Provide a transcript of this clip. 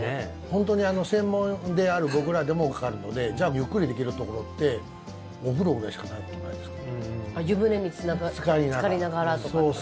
本当に専門である僕らでもかかるのでじゃあゆっくりできるところってお風呂ぐらいしかないことないですか？